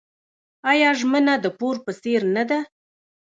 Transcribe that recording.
آیا ژمنه د پور په څیر نه ده؟